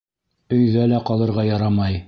Өйҙә лә ҡалырға ярамай.